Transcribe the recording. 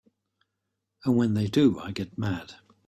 And when they do I get mad.